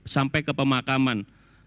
sampai ke pemakaman